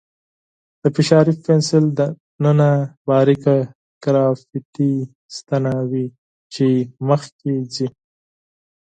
د فشاري پنسل دننه باریکه ګرافیتي ستنه وي چې مخکې ځي.